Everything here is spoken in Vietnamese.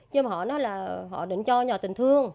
chứ mà họ nói là họ định cho nhà tình thương